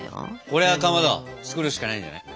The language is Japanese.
これはかまど作るしかないんじゃない？